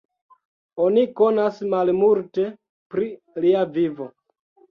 Oni konas malmulte pri lia vivo.